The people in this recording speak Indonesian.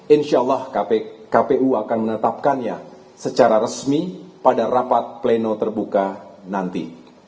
insya allah kpu akan menetapkannya secara resmi pada rapat pleno terbuka nanti